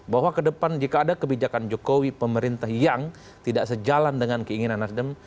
bahwa ke depan jika ada kebijakan jokowi pemerintah yang tidak sejalan dengan keinginan nasdem